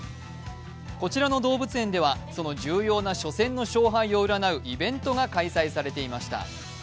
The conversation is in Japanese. こちらの動物園ではその重要な初戦の勝敗を占うイベントが行われていました。